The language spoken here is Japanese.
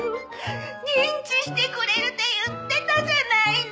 認知してくれるて言ってたじゃないの！